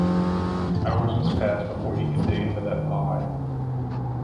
Hours must pass before he could dig into that pie.